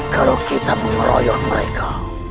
kalau kita mengeroyok mereka